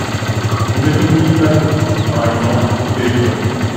On ne communique pas vite, par exemple Au téléphone.